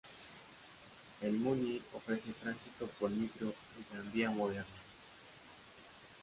El Muni ofrece tránsito por micro y tranvía moderno.